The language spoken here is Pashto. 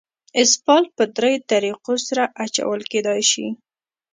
اسفالټ په دریو طریقو سره اچول کېدای شي